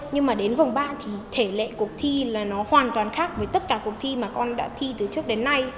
nhưng mà đến vòng ba thì thể lệ cuộc thi là nó hoàn toàn khác với tất cả cuộc thi mà con đã thi từ trước đến nay